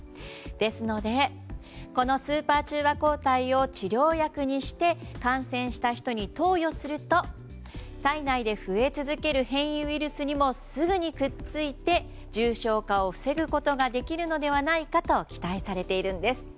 ですのでこのスーパー中和抗体を治療薬にして感染した人に投与すると体内で増え続ける変異ウイルスにもすぐにくっついて重症化を防ぐことができるのではないかと期待されているんです。